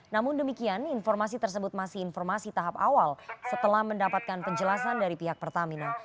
namun demikian informasi tersebut masih informasi tahap awal setelah mendapatkan penjelasan dari pihak pertamina